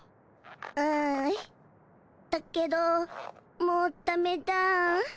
ああだけどもうダメだぁ！！